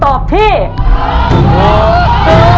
คุณฝนจากชายบรรยาย